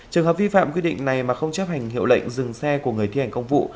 trường hợp vi phạm quy định này mà không chấp hành hiệu lệnh dừng xe của người thi hành công vụ